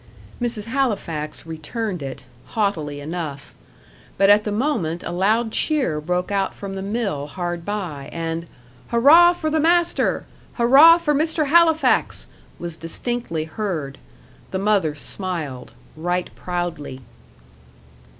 Mrs. Halifax returned it, haughtily enough. But at the moment a loud cheer broke out from the mill hard by, and "Hurrah for the master!" "Hurrah for Mr. Halifax!" was distinctly heard. The mother smiled, right proudly.